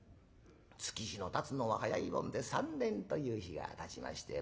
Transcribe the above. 月日のたつのは早いもんで３年という日がたちまして。